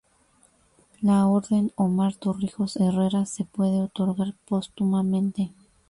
La Orden Omar Torrijos Herrera se puede otorgar póstumamente.